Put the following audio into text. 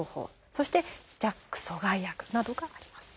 そして「ＪＡＫ阻害薬」などがあります。